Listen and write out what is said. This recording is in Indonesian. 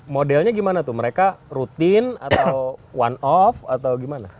modelnya gimana tuh mereka rutin atau one off atau gimana